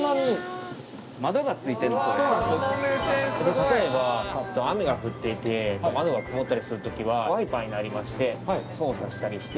例えば雨が降っていて窓が曇ったりする時はワイパーになりまして操作したりして。